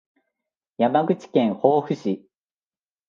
山口県防府市